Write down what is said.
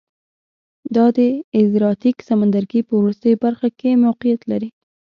دا د ادریاتیک سمندرګي په وروستۍ برخه کې موقعیت لري